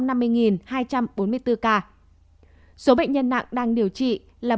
số bệnh nhân nặng đang điều trị là bốn một trăm bốn mươi bảy ca